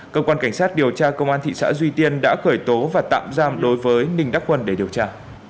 cơ quan cảnh sát điều tra công an thị xã duy tiên đã khởi tố và tạm giam đối với ninh đắc quân để điều tra